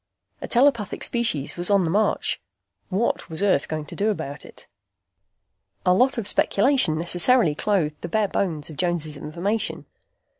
A telepathic species was on the march. What was Earth going to do about it? A lot of speculation necessarily clothed the bare bones of Jones' information.